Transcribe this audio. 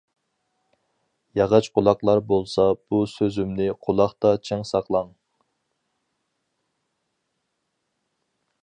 ياغاچ قۇلاقلار بولسا بۇ سۆزۈمنى قۇلاقتا چىڭ ساقلاڭ!